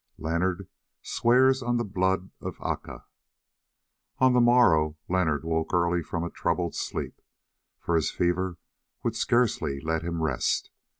LEONARD SWEARS ON THE BLOOD OF ACA On the morrow Leonard woke early from a troubled sleep, for his fever would scarcely let him rest.